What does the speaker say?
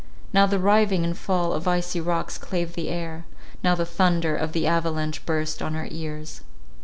Now the riving and fall of icy rocks clave the air; now the thunder of the avalanche burst on our ears.